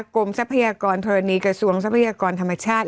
ทรัพยากรธรณีกระทรวงทรัพยากรธรรมชาติ